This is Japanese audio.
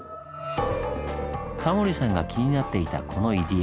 タモリさんが気になっていたこの入り江。